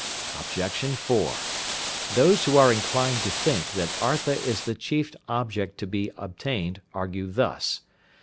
Objection 4. Those who are inclined to think that Artha is the chief object to be obtained argue thus.